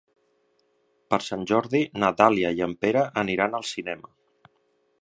Per Sant Jordi na Dàlia i en Pere aniran al cinema.